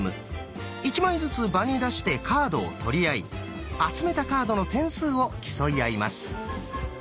１枚ずつ場に出してカードを取り合い集めたカードの点数を競い合います。